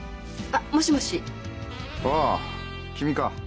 ああ君か。